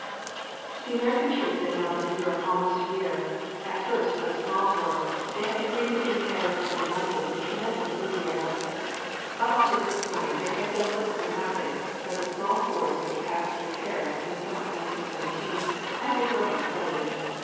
The American troops had now been in Europe almost a year. At first but a small force, they had been greeted in Paris and in London with tremendous enthusiasm. Up to this point they had done little or nothing, but the small force which passed through Paris in the summer of 1917 had been growing steadily.